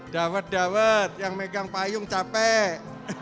dawet dawet yang megang payung capek